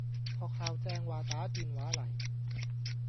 學校正話打電話嚟